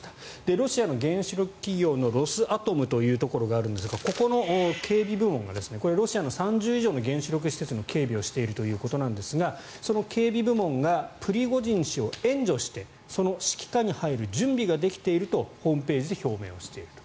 ロシアの原子力企業のロスアトムというところがあるんですがここの警備部門がこれ、ロシアの３０以上の原子力施設の警備をしているということですがその警備部門がプリゴジン氏を援助してその指揮下に入る準備ができているとホームページで表明をしていると。